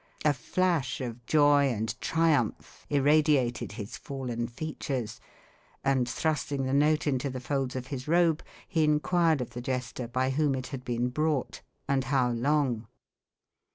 A flash of joy and triumph irradiated his fallen features; and thrusting the note into the folds of his robe, he inquired of the jester by whom it had been brought, and how long.